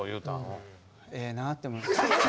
ええなって思いました。